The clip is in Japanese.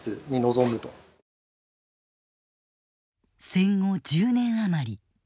戦後１０年余り。